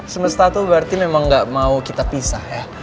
semesta itu berarti memang gak mau kita pisah ya